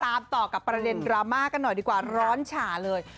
ต่อกับประเด็นดราม่ากันหน่อยดีกว่าร้อนฉ่าเลย